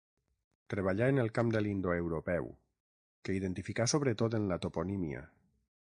Treballà en el camp de l'indoeuropeu, que identificà sobretot en la toponímia.